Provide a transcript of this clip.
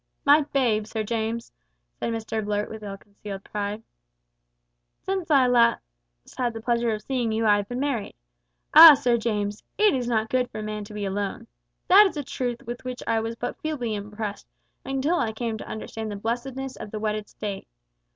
"My babe, Sir James," said Mr Blurt, with ill concealed pride; "since last I had the pleasure of seeing you I have been married. Ah! Sir James, `it is not good for man to be alone.' That is a truth with which I was but feebly impressed until I came to understand the blessedness of the wedded state.